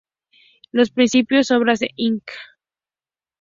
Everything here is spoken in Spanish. Las principales obras de I. Kh.